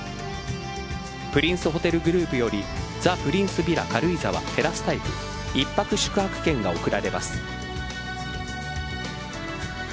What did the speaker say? プリンスホテルグループよりザ・プリンスヴィラ軽井沢テラスタイプ１泊宿泊券が贈られます。